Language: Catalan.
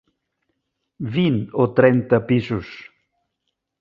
Vint o trenta pisos.